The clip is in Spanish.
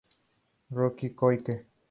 Es el patrón del Camino de Santiago en Navarra.